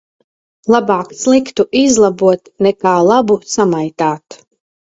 Labāk sliktu izlabot nekā labu samaitāt.